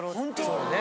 そうね。